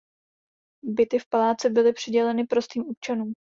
Byty v paláci byly přiděleny prostým občanům.